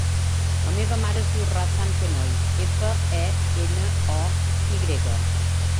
La meva mare es diu Razan Fenoy: efa, e, ena, o, i grega.